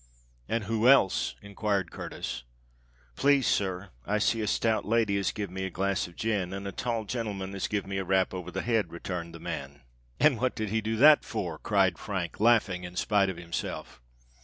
"And who else?" enquired Curtis. "Please, sir, I see a stout lady as give me a glass of gin, and a tall genelman as give me a rap over the head," returned the man. "And what did he do that for?" cried Frank, laughing in spite of himself.